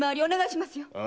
お願いしますよ。